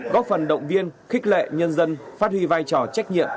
góp phần động viên khích lệ nhân dân phát huy vai trò trách nhiệm